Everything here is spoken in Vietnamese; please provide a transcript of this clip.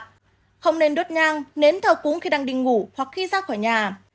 không nên đốt nhang nến thờ cúng khi đang đi ngủ hoặc khi ra khỏi nhà